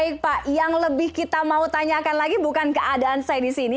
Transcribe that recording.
baik pak yang lebih kita mau tanyakan lagi bukan keadaan saya di sini